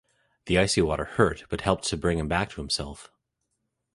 The icy water hurt, but helped to bring him back to himself.